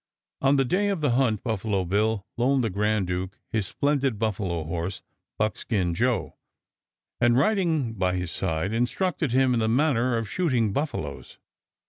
On the day of the hunt Buffalo Bill loaned the grand duke his splendid buffalo horse Buckskin Joe, and riding by his side instructed him in the manner of shooting buffaloes.